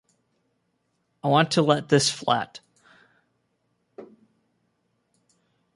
I want to let this flat.